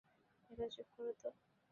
এবার চুপ করো তো।